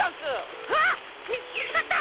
みみつかった！